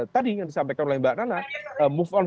tadi yang disampaikan oleh mbak nana move on